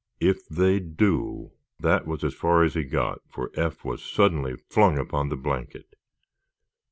"If they do—" That was far as he got, for Eph was suddenly flung upon the blanket.